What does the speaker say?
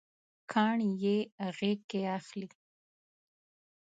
کاڼي یې غیږکې اخلي